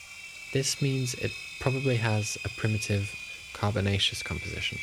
This means it probably has a primitive carbonaceous composition.